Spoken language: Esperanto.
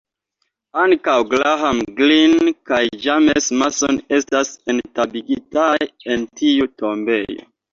Ankaŭ Graham Greene kaj James Mason estas entombigitaj en tiu tombejo.